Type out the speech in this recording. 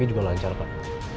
ini juga lancar pak